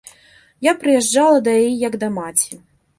Я прыязджала да яе як да маці.